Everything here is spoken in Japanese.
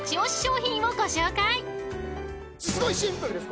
すごいシンプルです。